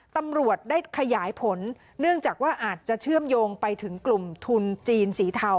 ตำรวจได้ขยายผลเนื่องจากว่าอาจจะเชื่อมโยงไปถึงกลุ่มทุนจีนสีเทา